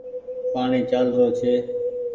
پآڻيٚ چآل رو ڇي۔